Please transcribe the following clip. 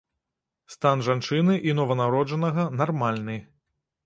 Стан жанчыны і нованароджанага нармальны.